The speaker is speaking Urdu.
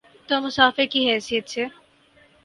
تو مسافر کی حیثیت سے۔